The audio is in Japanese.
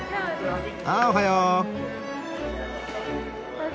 あおはよう。